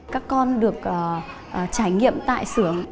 các con được trải nghiệm tại sưởng